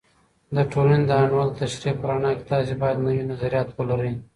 د ټولنې د انډول د تشریح په رڼا کې، تاسې باید نوي نظریات ولرئ.